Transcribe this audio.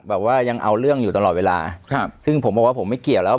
แบบว่ายังเอาเรื่องอยู่ตลอดเวลาครับซึ่งผมบอกว่าผมไม่เกี่ยวแล้ว